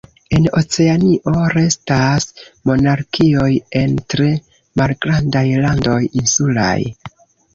En Oceanio restas monarkioj en tre malgrandaj landoj insulaj.